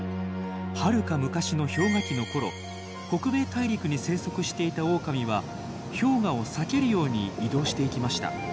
はるか昔の氷河期の頃北米大陸に生息していたオオカミは氷河を避けるように移動していきました。